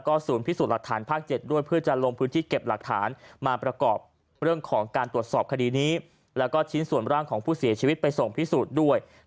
ก็ว่างั้นมันก็วางสาย